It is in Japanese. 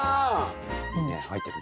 いいね入ってるね。